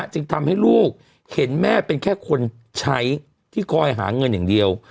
จึงทำให้ลูกเห็นแม่เป็นแค่คนใช้ที่คอยหาเงินอย่างเดียว